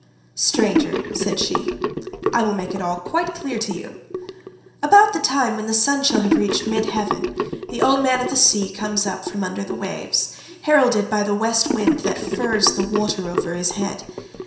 "'Stranger,' said she, 'I will make it all quite clear to you. About the time when the sun shall have reached mid heaven, the old man of the sea comes up from under the waves, heralded by the West wind that furs the water over his head.